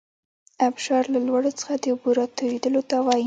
ابشار له لوړو څخه د اوبو راتویدلو ته وايي.